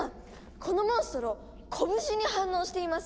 このモンストロこぶしに反応しています！